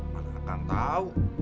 mana akang tau